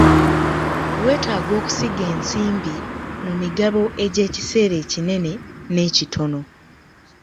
Weetaaga okusiga ensimbi mu migabo egy'ekiseera ekinene n'ekittono.